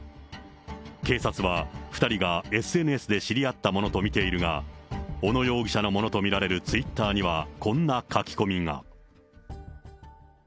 警察は、２人がＳＮＳで知り合ったものと見ているが、小野容疑者のものと見られるツイッターには、こんな書き込みが。